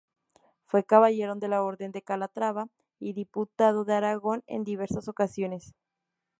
Fue caballero de la Orden de Calatrava y diputado de Aragón en diversas ocasiones.